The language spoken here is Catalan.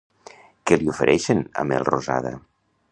Què li ofereixen a Melrosada?